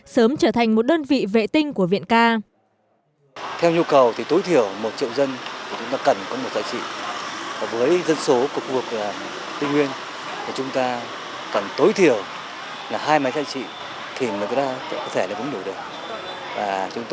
sớm trở thành một đơn vị vệ tinh của viện ca